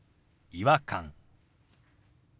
「違和感」。